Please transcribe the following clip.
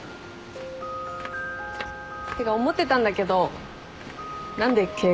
てか思ってたんだけど何で敬語？